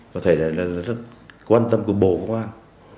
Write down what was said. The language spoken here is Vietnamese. có thể là rất quan tâm của bộ công an